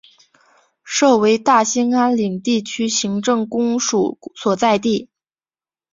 设为大兴安岭地区行政公署所在地。